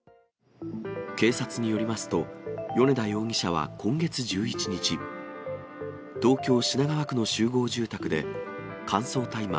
警察によりますと、米田容疑者は今月１１日、東京・品川区の集合住宅で、乾燥大麻